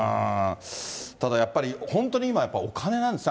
ただやっぱり、本当に今、お金なんですね。